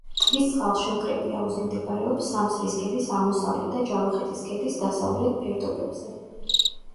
ტბის წყალშემკრები აუზი მდებარეობს სამსრის ქედის აღმოსავლეთ და ჯავახეთის ქედის დასავლეთ ფერდობებზე.